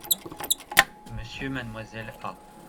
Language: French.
Monsieur Mademoiselle A.